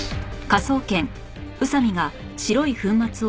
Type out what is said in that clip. はい。